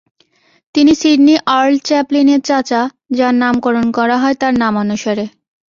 তিনি Sydney Earl চ্যাপলিনের চাচা, যার নামকরণ করা হয় তার নামানুসারে।